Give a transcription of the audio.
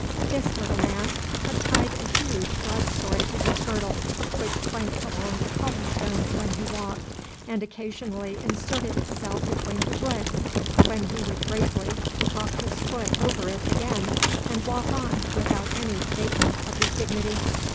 This little man had tied a huge broadsword to his girdle, which clanked along the cobble stones when he walked and occasionally inserted itself between his legs, when he would gravely cock his foot over it again and walk on without any abatement of his dignity.